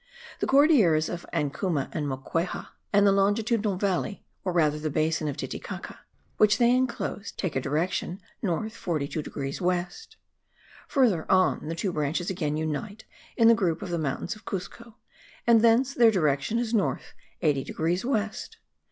The Cordilleras of Ancuma and Moquehua, and the longitudinal valley, or rather the basin of Titicaca, which they inclose, take a direction north 42 degrees west. Further on, the two branches again unite in the group of the mountains of Cuzco, and thence their direction is north 80 degrees west.